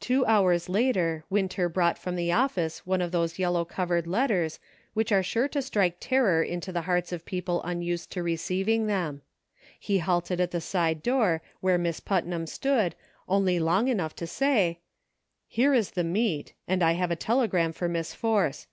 Two hours later Winter brought from the office one of those yellow covered letters which are sure to strike terror to the hearts of people unused to receiving them ; he halted at the side door where Miss Putnam stood, only long enough to say :" Here is the meat, and I have a telegram for Miss Force.